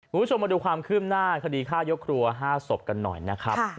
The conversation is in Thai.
คุณผู้ชมมาดูความคืบหน้าคดีฆ่ายกครัว๕ศพกันหน่อยนะครับ